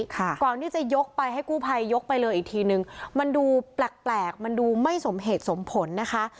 ก่อนที่จะยกไปให้กู้ภัยยกไปเลยอีกทีนึงมันดูแปลกแปลกมันดูไม่สมเหตุสมผลนะคะ